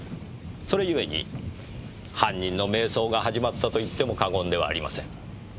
それゆえに犯人の迷走が始まったと言っても過言ではありません。